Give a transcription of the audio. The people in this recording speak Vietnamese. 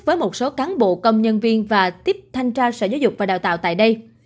với một số cán bộ công nhân viên và tiếp thanh tra sở giáo dục và đào tạo tại đây